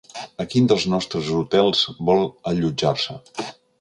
A quin dels nostres hotels vol allotjar-se?